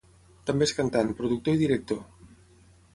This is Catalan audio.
També és cantant, productor i director.